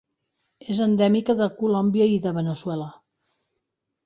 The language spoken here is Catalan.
És endèmica de Colòmbia i de Veneçuela.